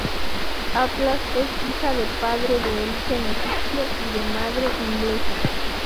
Atlas es hija de padre de origen egipcio y de madre inglesa.